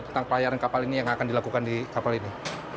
tentang pelayaran kapal ini yang akan dilakukan di kapal ini